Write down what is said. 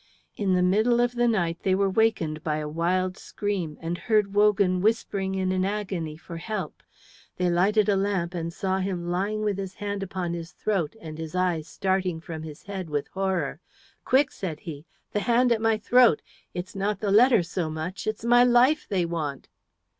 In the middle of the night they were wakened by a wild scream and heard Wogan whispering in an agony for help. They lighted a lamp and saw him lying with his hand upon his throat and his eyes starting from his head with horror. "Quick," said he, "the hand at my throat! It's not the letter so much, it's my life they want."